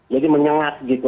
jadi menyengat gitu